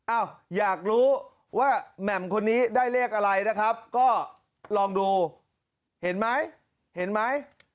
อ้าวอยากรู้ว่าแหม่มคนนี้ได้เลขอะไรนะครับก็ลองดูเห็นไหมเห็นไหม